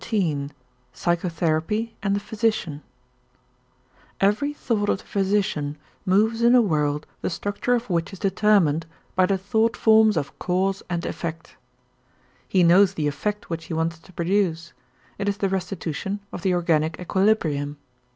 XIII PSYCHOTHERAPY AND THE PHYSICIAN Every thought of the physician moves in a world the structure of which is determined by the thought forms of cause and effect. He knows the effect which he wants to produce; it is the restitution of the organic equilibrium.